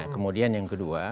kemudian yang kedua